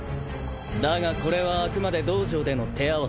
だがこれはあくまで道場での手合わせ。